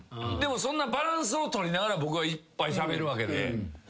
でもそんなバランスを取りながら僕はいっぱいしゃべるわけで。